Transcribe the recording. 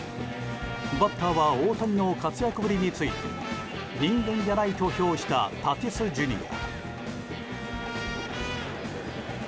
バッターは大谷の活躍ぶりについて人間じゃないと評したタティス・ジュニア。